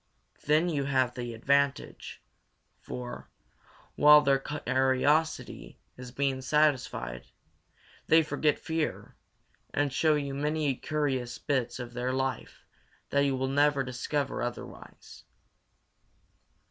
Then you have the advantage; for, while their curiosity is being satisfied, they forget fear and show you many curious bits of their life that you will never discover otherwise.